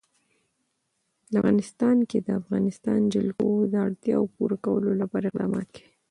په افغانستان کې د د افغانستان جلکو د اړتیاوو پوره کولو لپاره اقدامات کېږي.